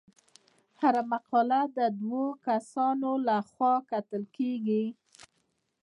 هره مقاله د دوه کسانو لخوا کتل کیږي.